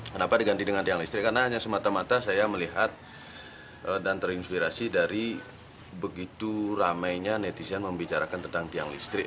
kenapa diganti dengan tiang listrik karena hanya semata mata saya melihat dan terinspirasi dari begitu ramainya netizen membicarakan tentang tiang listrik